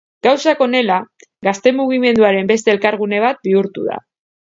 Gauzak honela, gazte mugimenduaren beste elkargune bat bihurtu da.